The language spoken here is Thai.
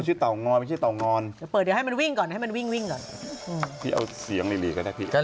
เกิดอะไรขึ้นกับเขาสองคนนี้ขนาดเรียกเขา